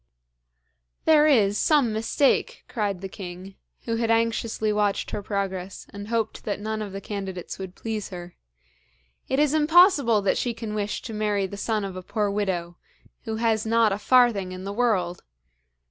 'There is some mistake,' cried the king, who had anxiously watched her progress, and hoped that none of the candidates would please her. 'It is impossible that she can wish to marry the son of a poor widow, who has not a farthing in the world!